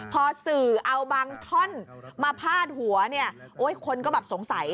พอสื่อเอาบางท่อนมาพาดหัวคนก็สงสัย